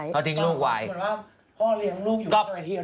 เหมือนว่าพ่อเลี้ยงลูกอยู่ก็ไปเที่ยว